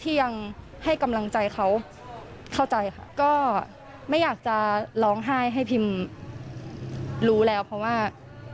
ยังให้กำลังใจเขาเข้าใจค่ะก็ไม่อยากจะร้องไห้ให้พิมรู้แล้วเพราะว่า